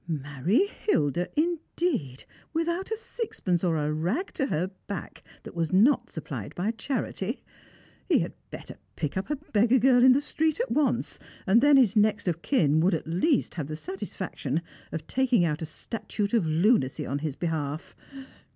Marry Hilda, indeed, without a sixpence, or a rag to her back that was not supplied by charity. He had better pick up a beggar girl in the street at once, and then his next of kin would, at least, have the satisfaction of taking out a statute of lunacy on his behalf.